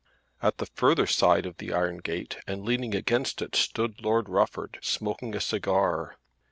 At the further side of the iron gate and leaning against it, stood Lord Rufford smoking a cigar.